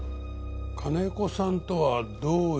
金子さんとはどういう？